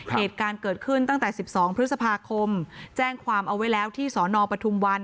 เหตุการณ์เกิดขึ้นตั้งแต่๑๒พฤษภาคมแจ้งความเอาไว้แล้วที่สนปทุมวัน